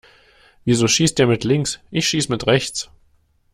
Wieso schießt der mit links? Ich schieß mit rechts.